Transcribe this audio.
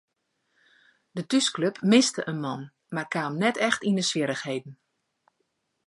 De thúsklup miste in man mar kaam net echt yn swierrichheden.